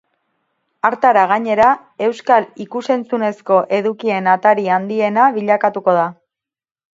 Hartara, gainera, euskal ikus-entzunezko edukien atari handiena bilakatuko da.